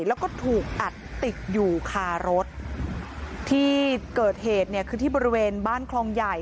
แล้วก็ถูกอัดติดอยู่คารถที่เกิดเหตุเนี่ยคือที่บริเวณบ้านคลองใหญ่